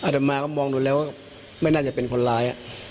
ตามมาก็มองดูแล้วไม่น่าจะเป็นคนร้าย